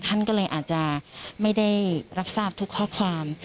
ท่านก็เลยอาจจะไม่ได้รับทราบทุกข้อความ